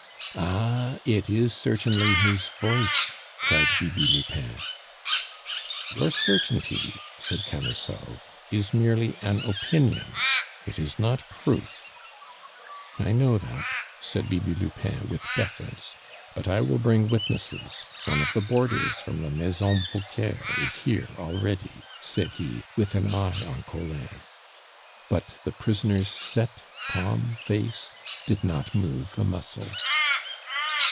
"Ah! It is certainly his voice," cried Bibi Lupin. "Your certainty," said Camusot, "is merely an opinion; it is not proof." "I know that," said Bibi Lupin with deference. "But I will bring witnesses. One of the boarders from the Maison Vauquer is here already," said he, with an eye on Collin. But the prisoner's set, calm face did not move a muscle.